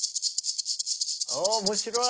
お面白い！